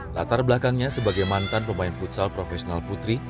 latar belakangnya sebagai mantan pemain futsal profesional putri